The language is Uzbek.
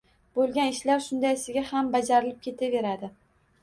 Bo’lgan ishlar shundaysiga ham bajarilib ketilaveradi.